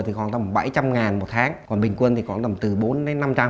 thì khoảng tầm bảy trăm linh ngàn một tháng còn bình quân thì có tầm từ bốn đến năm trăm linh